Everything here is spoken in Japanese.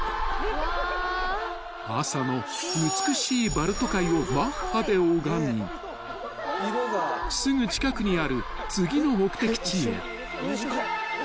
［朝の美しいバルト海をマッハで拝みすぐ近くにある］